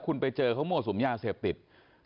แล้วคุณไปเจอเขาโมสุมยาเสพติด